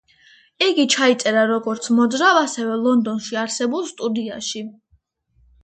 იგი ჩაიწერა როგორც მოძრავ, ასევე ლონდონში არსებულ სტუდიაში.